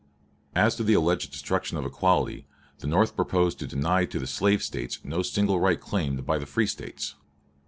As to the alleged destruction of equality, the North proposed to deny to the slave States no single right claimed by the free States.